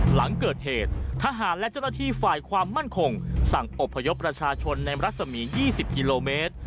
หลังเกิดเหตุทหารและเจ้าหน้าที่ฝ่ายความมั่นคงสั่งอบพยพประชาชนในรัศมี๒๐กิโลเมตร